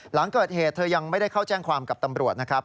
หลังเกิดเหตุเธอยังไม่ได้เข้าแจ้งความกับตำรวจนะครับ